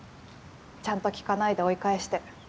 ちゃんと聞かないで追い返して。